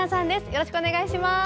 よろしくお願いします。